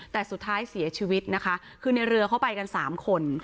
แต่สุดท้ายเสียชีวิตนะคะคือในเรือเข้าไปกันสามคน